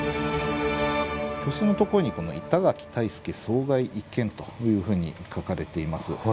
表紙のところに「板垣退助遭害一件」というふうに書かれています。